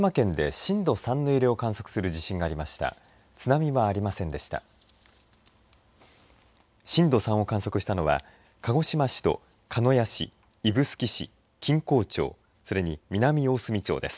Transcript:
震度３を観測したのは鹿児島市と鹿屋市指宿市、錦江町それに南大隅町です。